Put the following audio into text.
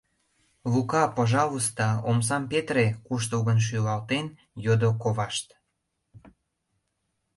— Лука, пожалуйста, омсам петыре, - куштылгын шӱлалтен, йодо ковашт.